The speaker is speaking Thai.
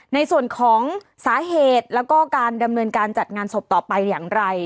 ในส่วนของสาเหตุแล้วก็การดำเนินการจัดงานศพต่อไปอย่างไร